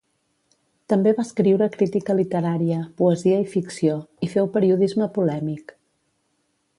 També va escriure crítica literària, poesia i ficció, i féu periodisme polèmic.